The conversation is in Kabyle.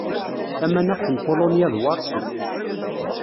Tamaneɣt n Pulunya d Waṛsu.